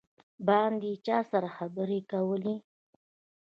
باندې یې چا سره خبرې کولې.